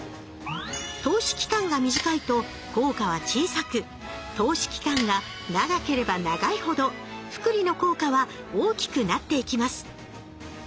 投資期間が短いと効果は小さく投資期間が長ければ長いほど複利の効果は大きくなっていきます